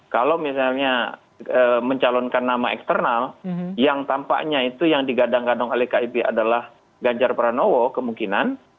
kalau misalnya mencalonkan nama eksternal yang tampaknya itu yang digadang gadang oleh kib adalah ganjar pranowo kemungkinan